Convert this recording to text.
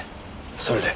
それで？